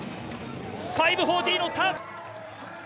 ５４０乗った。